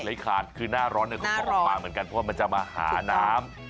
หลายขาดคือหน้าร้อนเนี่ยก็พอออกมาเหมือนกันเพราะมันจะมาหาน้ำ